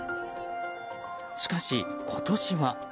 しかし、今年は。